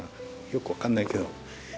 よく分かんないけど。